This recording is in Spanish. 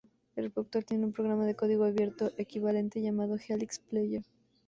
El reproductor tiene un programa de código abierto equivalente, llamado Helix Player.